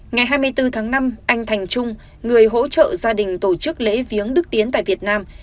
ngày hai mươi bốn tháng năm anh thành trung người hỗ trợ gia đình tổ chức lễ viếng đức tiến tại việt nam